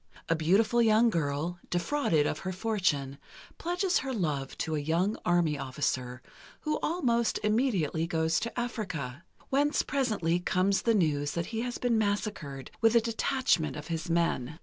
A beautiful young girl, defrauded of her fortune, pledges her love to a young army officer, who almost immediately goes to Africa, whence presently comes the news that he has been massacred with a detachment of his men.